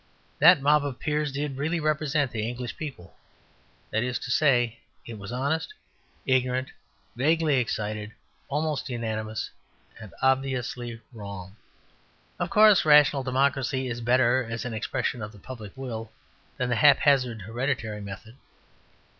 That mob of peers did really represent the English people that is to say, it was honest, ignorant, vaguely excited, almost unanimous, and obviously wrong. Of course, rational democracy is better as an expression of the public will than the haphazard hereditary method.